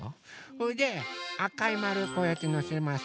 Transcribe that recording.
それであかいまるこうやってのせます。